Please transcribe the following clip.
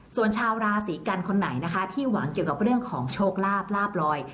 ส่วนชาวราศีกันคนไหนนะคะที่หวังเกี่ยวกับเรื่องของโชคลาภลาบลอย